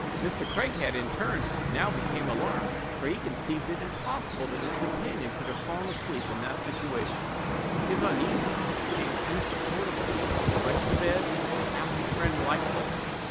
Mr. Craighead, in his turn, now became alarmed; for he conceived it impossible that his companion could have fallen asleep in that situation; his uneasiness became insupportable; he went to the bed, and found his friend lifeless!